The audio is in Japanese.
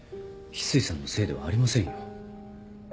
翡翠さんのせいではありませんよ。